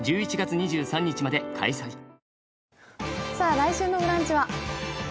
来週の「ブランチ」は？